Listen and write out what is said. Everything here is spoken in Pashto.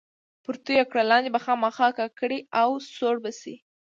پرې توی یې کړه، لاندې به خامخا کا کړي او سوړ به شي.